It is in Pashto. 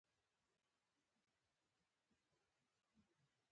طبي یا کیمیاوي منشأ لري.